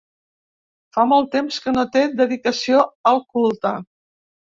Fa ja molt temps que no té dedicació al culte.